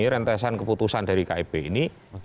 rentesan keputusan dari kib ini